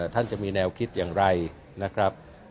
ท่านจะมีแนวคิดอย่างไรนะครับ